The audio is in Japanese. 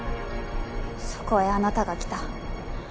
そこへあなたが来た